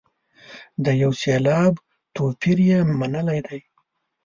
د یو سېلاب توپیر یې منلی دی.